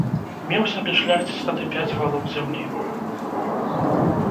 Меў сабе шляхціц тады пяць валок зямлі.